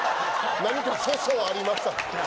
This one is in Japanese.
何か粗相ありました？